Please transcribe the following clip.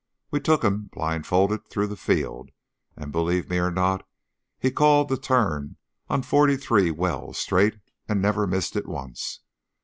We took him, blindfolded, through the field, and, believe me or not, he called the turn on forty three wells straight and never missed it once.